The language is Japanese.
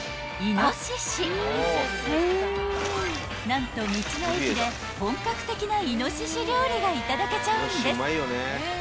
［何と道の駅で本格的なイノシシ料理がいただけちゃうんです］